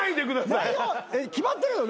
決まってるの？